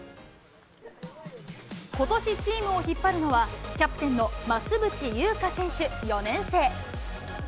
ことしチームを引っ張るのは、キャプテンの増渕祐香選手４年生。